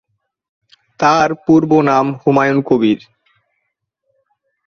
তাঁর পূর্ব নাম হুমায়ুন কবির।